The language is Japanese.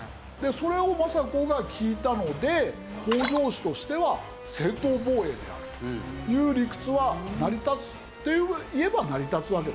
それを政子が聞いたので北条氏としては正当防衛であるという理屈は成り立つといえば成り立つわけです。